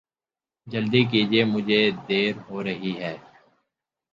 جلدی کیجئے مجھے دعر ہو رہی ہے